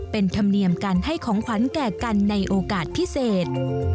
เป็นธรรมเนียมการให้ของขวัญแก่กันในโอกาสพิเศษ